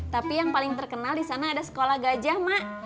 tapi yang paling terkenal di sana ada sekolah gajah mak